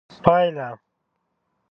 پایله: